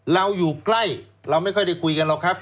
เราอยู่ใกล้เราไม่ค่อยได้คุยกันหรอกครับ